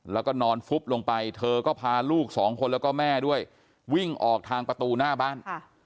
แล้วก็นอนฟุบลงไปเธอก็พาลูกสองคนแล้วก็แม่ด้วยวิ่งออกทางประตูหน้าบ้าน